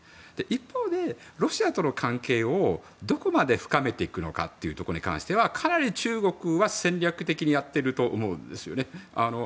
一方でロシアとの関係をどこまで深めていくのかというところに関してはかなり中国は戦略的にやっていると思うんですよね。